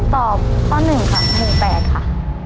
ตอบข้อ๑ค่ะหมู่๘ค่ะ